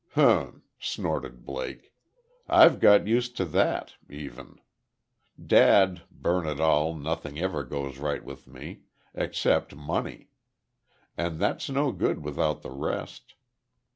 "Hum," snorted Blake. "I've got used to that, even. Dad burn it all, nothing ever goes right with me except money; and that's no good without the rest.